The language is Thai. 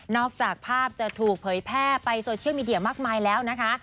จากภาพจะถูกเผยแพร่ไปโซเชียลมีเดียมากมายแล้วนะคะ